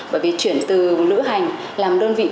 bởi vì chuyển từ lữ hành làm đơn vị